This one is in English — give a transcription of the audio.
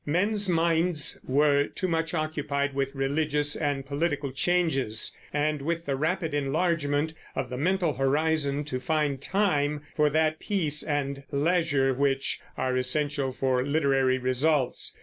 Men's minds were too much occupied with religious and political changes and with the rapid enlargement of the mental horizon to find time for that peace and leisure which are essential for literary results.